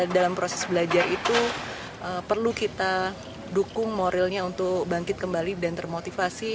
dalam proses belajar itu perlu kita dukung moralnya untuk bangkit kembali dan termotivasi